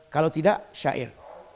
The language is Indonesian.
kalau tidak syair